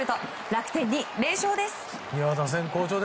楽天２位、連勝です。